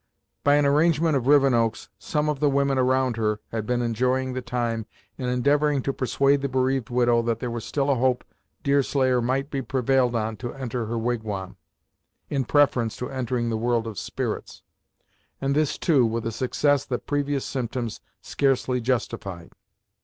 By an arrangement of Rivenoak's, some of the women around her had been employing the time in endeavoring to persuade the bereaved widow that there was still a hope Deerslayer might be prevailed on to enter her wigwam, in preference to entering the world of spirits, and this, too, with a success that previous symptoms scarcely justified.